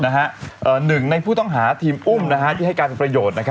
หนึ่งในผู้ต้องหาทีมอุ้มที่ให้การประโยชน์